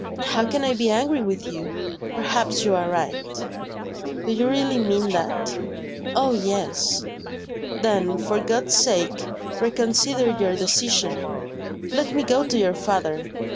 "How can I be angry with you? Perhaps you are right." "Do you really mean that?" "Oh, yes." "Then, for God's sake, reconsider your decision! Let me go to your father."